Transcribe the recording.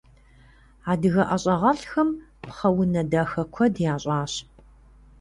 Адыгэ ӀэщӀагъэлӀхэм пхъэ унэ дахэ куэд ящӀащ.